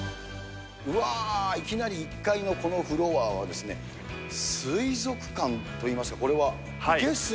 うわー、いきなり１階のこのフロアは、水族館といいますか、これは生けす？